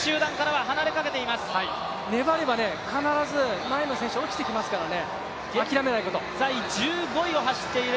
粘れば必ず前の選手落ちてきますから、諦めないこと。